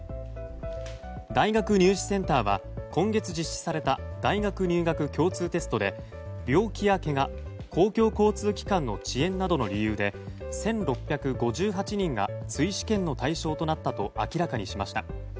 大学入試センターは今月実施された大学入学共通テストで病気やけが公共交通機関の遅延などの理由で１６５８人が追試験の対象になったと明らかにしました。